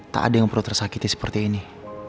tak ada yang perlu tersakiti seperti ini